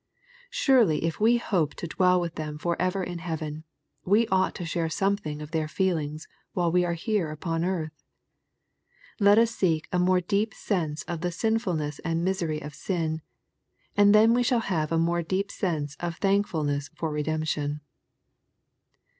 Surely if we hope to dwell with them forever in heaven, we ought to share something of their feelings while we are here upon earth. Let us seek a more deep sense of the sinfulness and misery of sin, and then we shall have a more deep sense of thankful ness for redemption.